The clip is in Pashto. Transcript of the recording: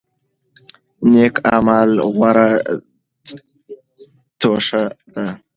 نیک اعمال غوره توښه ده.